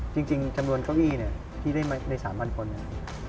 จริงจำนวนครอบอีนเนี่ยที่ได้มาใน๓บันคนเนี่ย